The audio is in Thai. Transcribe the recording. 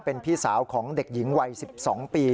เป็นพี่สาวของเด็กหญิงวัย๑๒ปี